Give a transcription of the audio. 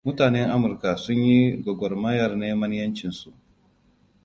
Mutanen Amurka sun yi gwagwarmayar neman 'yancinsu.